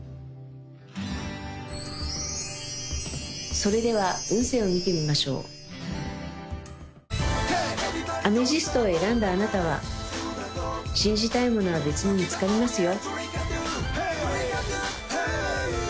それでは運勢を見てみましょうアメジストを選んだあなたは信じたいものは別に見つかりますよ